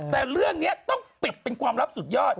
แต่เรื่องนี้ต้องปิดเป็นความลับสุดยอด